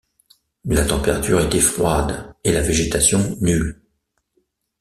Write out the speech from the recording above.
La température était froide et la végétation nulle.